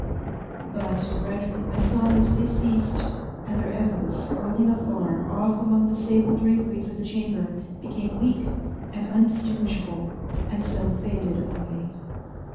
But gradually my songs they ceased, and their echoes, rolling afar off among the sable draperies of the chamber, became weak, and undistinguishable, and so faded away.